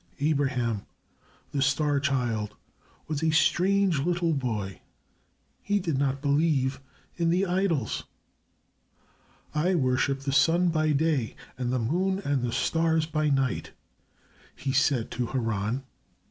Abraham, the star child, was a strange little boy. He did not believe in the idols. "I worship the sun by day and the moon and the stars by night," he said to Haran.